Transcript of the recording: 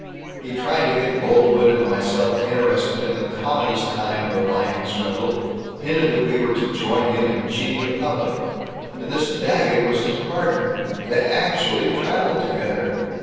He tried to get Boltwood and myself interested in the commonest kind of a mining swindle hinted that we were to join him in cheating the public. And this Daggett was his partner they actually traveled together.